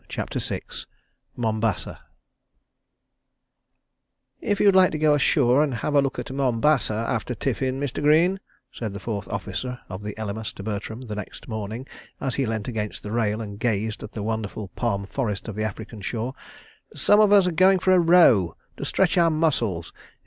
CHAPTER VI Mombasa "If you'd like to go ashore and have a look at Mombasa after tiffin, Mr. Greene," said the fourth officer of the Elymas to Bertram, the next morning, as he leant against the rail and gazed at the wonderful palm forest of the African shore, "some of us are going for a row—to stretch our muscles.